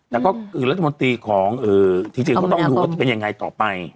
แต่ก็คือรัฐมนตรีของจริงก็ต้องดูว่าจะเป็นยังไงต่อไป